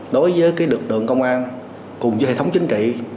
đối với lực lượng công an cùng với hệ thống chính trị